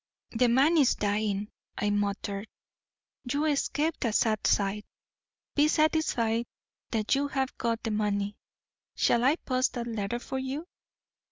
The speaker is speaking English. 'The man is dying,' I muttered. 'You escaped a sad sight. Be satisfied that you have got the money. Shall I post that letter for you?'